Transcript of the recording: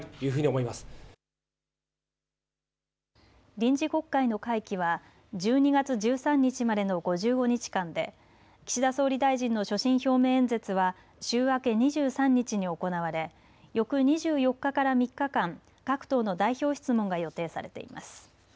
臨時国会の会期は１２月１３日までの５５日間で岸田総理大臣の所信表明演説は週明け２３日に行われ翌２４日から３日間、各党の代表質問が予定されています。